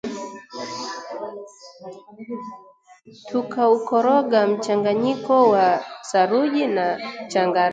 tukaukoroga mchanganyiko wa saruji na changarawe